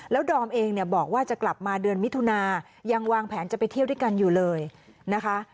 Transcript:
แล้วดอมเองเนี่ยบอกว่าจะกลับมาเดือนมิถุนายังวางแผนจะไปเที่ยวด้วยกันอยู่เลยนะคะ